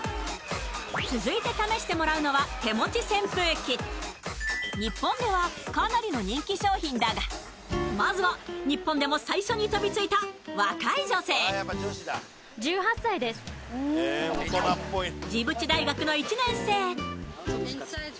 続いて試してもらうのは日本ではかなりの人気商品だがまずは日本でも最初に飛びついたどうですかどう？